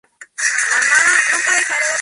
Salaverry lo desterró entonces a Chile.